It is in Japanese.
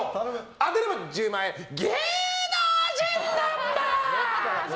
当てれば１０万円芸能人ナンバーズ！